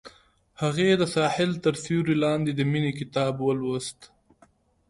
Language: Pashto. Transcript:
هغې د ساحل تر سیوري لاندې د مینې کتاب ولوست.